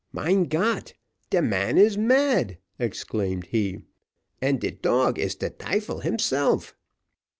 "Mein Gott! de man is mad," exclaimed he, "and de tog is de tyfel himself."